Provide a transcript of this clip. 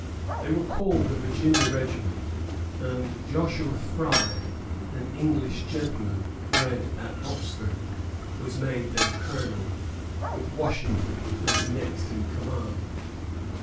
They were called the Virginia regiment; and Joshua Fry, an English gentleman, bred at Oxford, was made their colonel, with Washington as next in command.